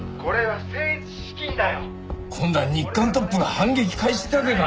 今度は日刊トップが反撃開始ってわけか。